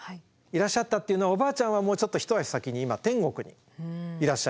いらっしゃったっていうのはおばあちゃんはもうちょっと一足先に今天国にいらっしゃいます。